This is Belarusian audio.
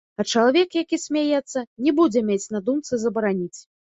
А чалавек, які смяецца, не будзе мець на думцы забараніць.